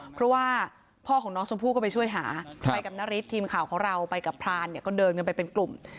เพราะว่าพ่อของน้องชมพู่ก็ไปช่วยหาไปกับนาริสทีมข่าวของเราไปกับพรานเนี่ยก็เดินกันไปเป็นกลุ่ม